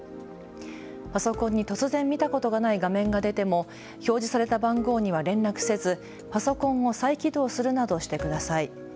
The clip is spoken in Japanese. パソコンに突然、見たことがない画面が出ても表示された番号には連絡せずパソコンを再起動するなどしてください。